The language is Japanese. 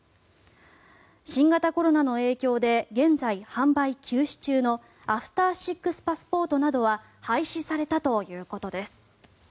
新型コロナの影響で現在、販売休止中のアフター６パスポートなどは廃止されたということです。